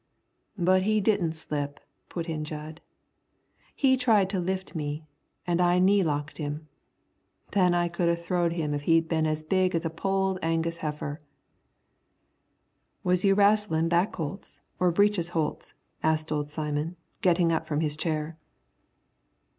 "But he didn't slip," put in Jud. "He tried to lift me, an' I knee locked him. Then I could a throwed him if he'd been as big as a Polled Angus heifer." "Was you wrastling back holts or breeches holts?" asked old Simon, getting up from his chair.